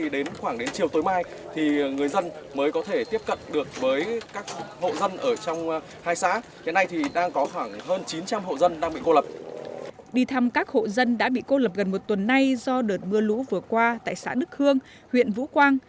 đi thăm các hộ dân đã bị cô lập gần một tuần nay do đợt mưa lũ vừa qua tại xã đức khương huyện vũ quang